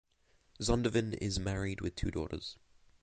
Zondervan is married with two daughters.